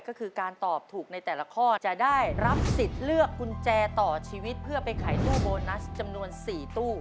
ก็คือการตอบถูกในแต่ละข้อจะได้รับสิทธิ์เลือกกุญแจต่อชีวิตเพื่อไปขายตู้โบนัสจำนวน๔ตู้